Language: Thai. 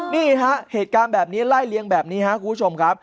นี่ฮะเหตุการณ์แบบนี้ไร่เลียงแบบนี้ฮะ